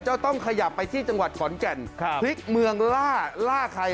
ต้องขยับไปที่จังหวัดขอนแก่นพลิกเมืองล่าล่าใคร